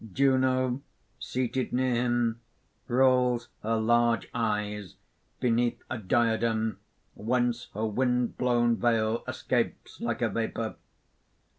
_ _Juno, seated near him, rolls her large eyes, beneath a diadem whence her wind blown veil escapes like a vapour.